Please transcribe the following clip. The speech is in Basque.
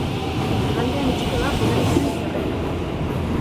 Igandean itxiko da finalisten zerrenda.